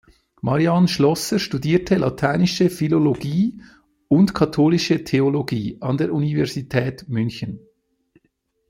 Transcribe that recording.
Marianne Schlosser studierte lateinische Philologie und katholische Theologie an der Universität München.